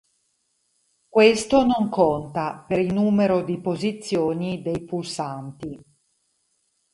Questo non conta per il numero di posizioni dei pulsanti.